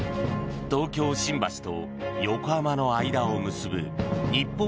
東京・新橋と横浜の間を結ぶ日本